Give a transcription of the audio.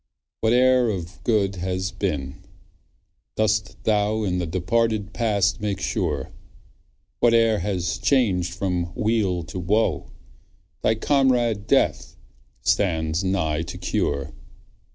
Whate'er of good as been, dost thou In the departed past make sure; Whate'er has changed from weal to woe, Thy comrade Death stands nigh to cure.